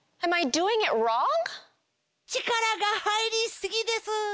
力が入りすぎです。